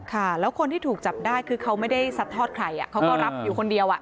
ค่ะแล้วคนที่ถูกจับได้คือเขาไม่ได้สัดทอดใครเขาก็รับอยู่คนเดียว